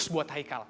seratus buat haikal